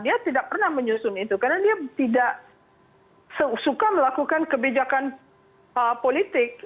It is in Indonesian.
dia tidak pernah menyusun itu karena dia tidak suka melakukan kebijakan politik